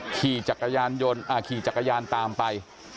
ขี่จักรยานยนต์ขี่จักรยานตามไป